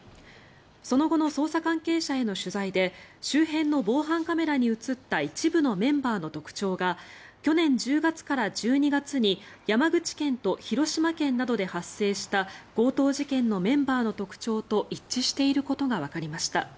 その後の捜査関係者への取材で周辺の防犯カメラに映った一部のメンバーの特徴が去年１０月から１２月に山口県と広島県などで発生した強盗事件のメンバーの特徴と一致していることがわかりました。